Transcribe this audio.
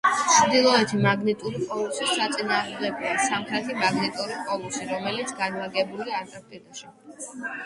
ჩრდილოეთი მაგნიტური პოლუსის საწინააღმდეგოა სამხრეთი მაგნიტური პოლუსი, რომელიც განლაგებულია ანტარქტიკაში.